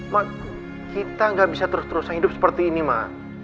mak kita gak bisa terus terusan hidup seperti ini mak